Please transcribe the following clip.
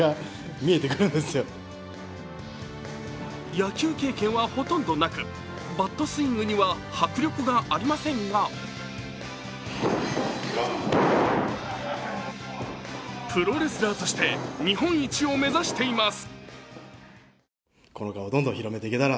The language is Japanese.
野球経験はほとんどなくバットスイングには迫力がありませんがプロレスラーとして日本一を目指しています。